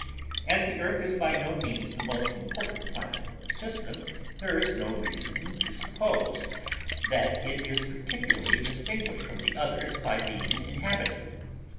As the Earth is by no means the most important planet in the system, there is no reason to suppose that it is particularly distinguished from the others by being inhabited.